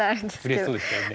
うれしそうでしたよね。